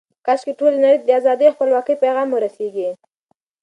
کاشکې ټولې نړۍ ته د ازادۍ او خپلواکۍ پیغام ورسیږي.